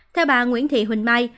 theo bà nguyễn thị huỳnh mai